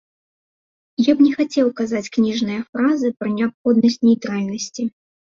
Я б не хацеў казаць кніжныя фразы пра неабходнасць нейтральнасці.